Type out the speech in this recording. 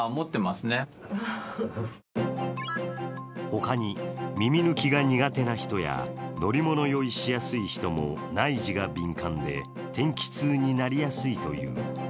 他に、耳抜きが苦手な人や乗り物酔いしやすい人も内耳が敏感で、天気痛になりやすいという。